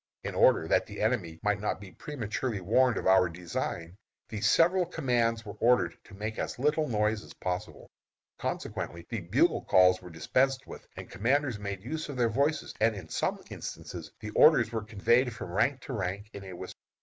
In order that the enemy might not be prematurely warned of our design, the several commands were ordered to make as little noise as possible. Consequently the bugle calls were dispensed with, and commanders made use of their voices, and in some instances the orders were conveyed from rank to rank in a whisper.